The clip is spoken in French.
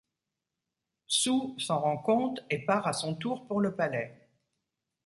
Su s’en rend compte et part à son tour pour le palais.